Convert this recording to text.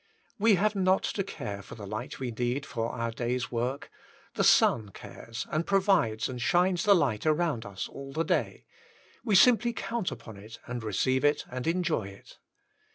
We have not to care for the light we need for our day's work ; the sun cares, and provides and shines the light around us all the day. We simply count upon it, and receive it, and enjoy it.